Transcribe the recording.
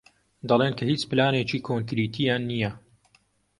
دەڵێن کە هیچ پلانێکی کۆنکریتییان نییە.